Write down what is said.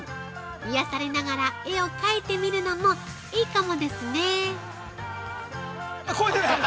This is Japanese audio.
癒やされながら絵を描いてみるのもいいかもですね。